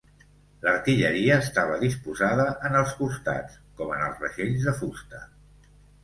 L'artilleria estava disposada en els costats, com en els vaixells de fusta.